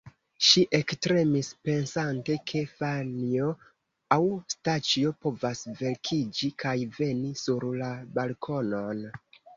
Ŝi ektremis pensante, ke Franjo aŭ Staĉjo povas vekiĝi kaj veni sur la balkonon.